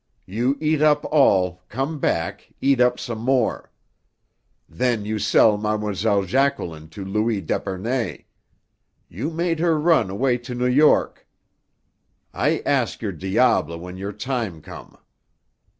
You eat up all, come back, eat up some more. Then you sell Mlle. Jacqueline to Louis d'Epernay. You made her run 'way to New York. I ask your diable when your time come.